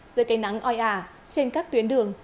giữa cây nắng oi ả trên các tuyến đường